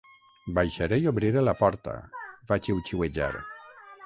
"Baixaré i obriré la porta", va xiuxiuejar.